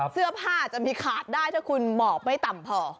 เสื้อผ้าจะมีขาดได้ถ้าคุณหมอบไม่ต่ำพอ